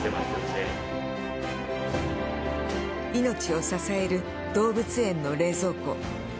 命を支える動物園の冷蔵庫。